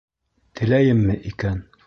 — Теләйемме икән?